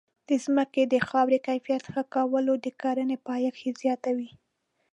د ځمکې د خاورې کیفیت ښه کول د کرنې پایښت زیاتوي.